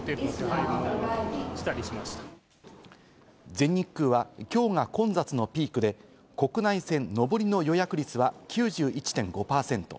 全日空はきょうが混雑のピークで、国内線上りの予約率は９１．５％。